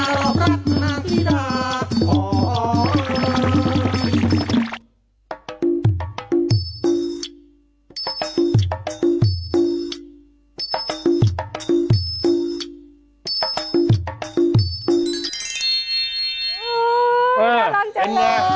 อุ้ยน่ารักจังเลยเออเป็นไง